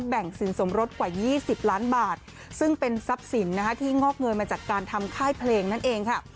แบ่งสินสมรสกว่า๒๐ล้านบาทซึ่งเป็นทรัพย์สินที่งอกเงินมาจากการทำค่ายเพลงนั่นเองค่ะ